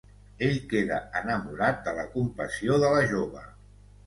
Ell queda enamorat de la compassió de la jove.